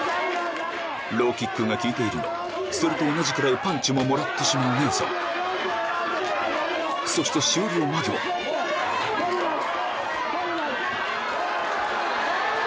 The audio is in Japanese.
ローキックが効いているがそれと同じくらいパンチももらってしまう姉さんそして終了間際・愛央衣！